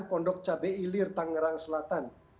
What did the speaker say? pondok cabai ilir tangerang selatan